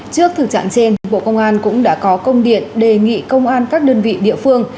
trước thực trạng trên bộ công an cũng đã có công điện đề nghị công an các đơn vị địa phương